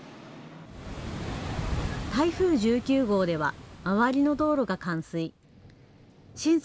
台風１９号では周りの道路が冠水。